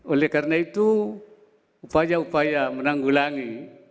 oleh karena itu upaya upaya menanggulangi